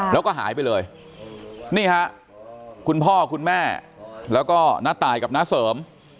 แล้วก็หายไปเลยนี่ฮะคุณพ่อคุณแม่แล้วก็น้าตายกับน้าเสริม